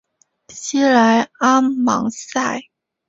西莱阿芒塞。